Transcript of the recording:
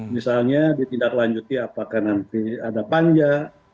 misalnya ditindaklanjuti apakah nanti ada panja